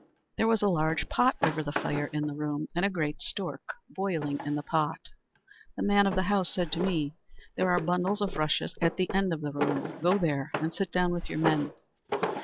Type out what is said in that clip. "There was a large pot over the fire in the room, and a great stork boiling in the pot. The man of the house said to me, 'There are bundles of rushes at the end of the room, go there and sit down with your men!'